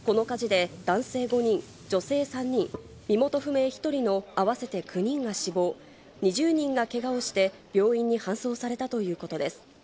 この火事で男性５人、女性３人、身元不明１人の合わせて９人が死亡、２０人がけがをして、病院に搬送されたということです。